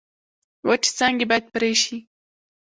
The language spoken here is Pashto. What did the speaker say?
وچې څانګې باید پرې شي.